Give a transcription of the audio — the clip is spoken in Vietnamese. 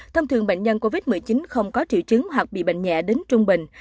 thông thường bệnh nhân covid một mươi chín không có triệu chứng hoặc bị bệnh nhẹ đến trung bình